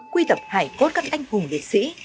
quy tập hải cốt các anh hùng liệt sĩ